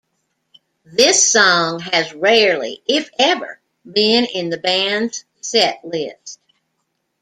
This song has rarely, if ever, been in the band's set list.